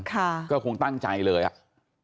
ค่ะก็คงตั้งใจเลยอ่ะ